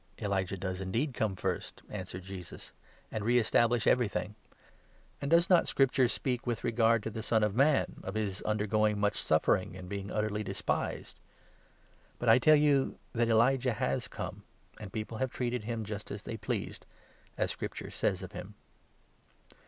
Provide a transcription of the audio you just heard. " Elijah does indeed come first," answered Jesus, "and re 12 establish everything ; and does not Scripture speak, with regard to the Son of Man, of his undergoing much suffering and being utterly despised? But I tell you that Elijah has come, and 13 people have treated him just as they pleased, as Scripture says of him."